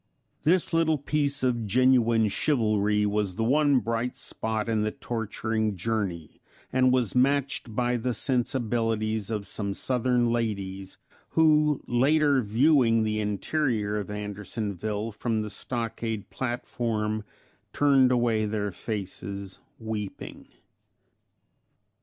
This little piece of genuine chivalry was the one bright spot in the torturing journey, and was matched by the sensibilities of some Southern ladies, who later viewing the interior of Andersonville from the stockade platform, turned away their faces weeping.